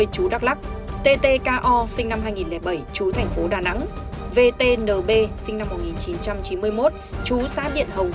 chú đắk lắc ttko sinh năm hai nghìn bảy chú thành phố đà nẵng vtnb sinh năm một nghìn chín trăm chín mươi một chú xã điện hồng